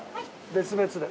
別々で。